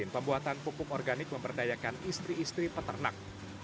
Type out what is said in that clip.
pembuatan pupuk organik memperdayakan istri istri peternak